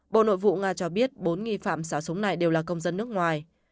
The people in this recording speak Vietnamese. bộ nội vụ nga cho biết bốn nghi phạm xả súng này đều là công dân nước ngoài